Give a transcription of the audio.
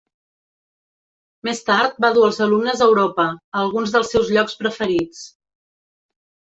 Més tard va dur els alumnes a Europa, a alguns dels seus llocs preferits.